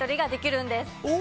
お！